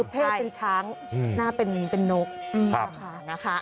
เป็นช้างหน้าเป็นนก